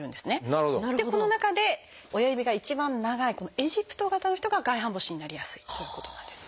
でこの中で親指が一番長いこのエジプト型の人が外反母趾になりやすいということなんです。